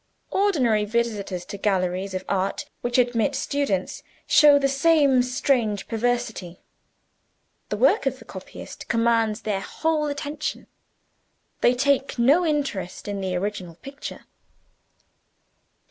Ordinary visitors to Galleries of Art, which admit students, show the same strange perversity. The work of the copyist commands their whole attention; they take no interest in the original picture.